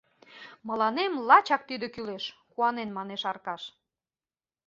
— Мылам лачак тиде кӱлеш! — куанен мане Аркаш.